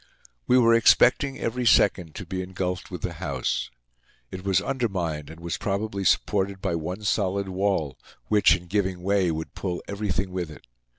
We were expecting every second to be engulfed with the house. It was undermined and was probably supported by one solid wall, which, in giving way, would pull everything with it.